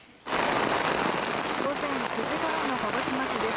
午前９時ごろの鹿児島市です。